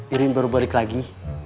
iren baru balik lagi